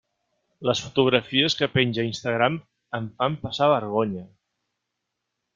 Les fotografies que penja a Instagram em fan passar vergonya.